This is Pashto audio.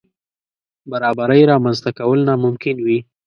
برابرۍ رامنځ ته کول ناممکن وي.